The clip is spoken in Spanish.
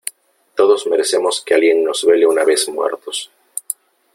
todos merecemos que alguien nos vele una vez muertos .